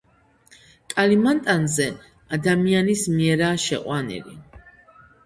კალიმანტანზე ადამიანის მიერაა შეყვანილი.